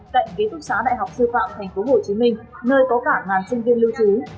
cạnh ký túc xá đại học sư phạm tp hcm nơi có cả ngàn sinh viên lưu trú